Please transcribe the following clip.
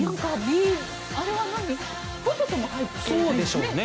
ポテトも入っているんですね。